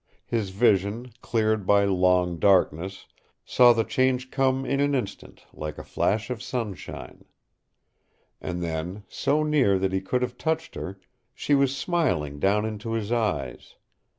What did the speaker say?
His vision, cleared by long darkness, saw the change come in an instant like a flash of sunshine. And then so near that he could have touched her she was smiling down into his eyes.